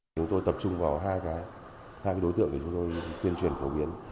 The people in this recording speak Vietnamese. chúng tôi tập trung vào hai đối tượng để chúng tôi tuyên truyền phổ biến